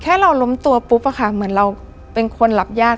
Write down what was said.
ถ้าเราล้มตัวปุ๊บอะค่ะเหมือนเราเป็นคนรับยาก